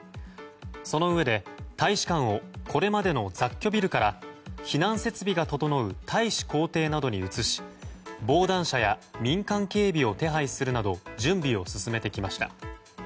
そのうえで、大使館をこれまでの雑居ビルから避難設備が整う大使公邸などに移し防弾車や民間警備を手配するなど準備を進めてきました。